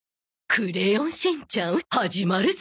『クレヨンしんちゃん』始まるぞ。